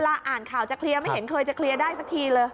อ่านข่าวจะเคลียร์ไม่เห็นเคยจะเคลียร์ได้สักทีเลย